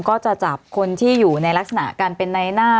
ก็จะจับคนที่อยู่ในลักษณะการเป็นในหน้า